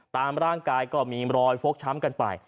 ตามร่างกายก็มีรอยฟกช้ำกันไป